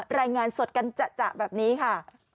รายงานสดกันจะแบบนี้ค่ะ